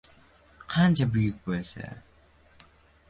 Qancha buyuk bo’lsa